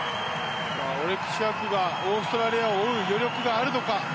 オレクシアクがオーストラリアを追う余力があるのか。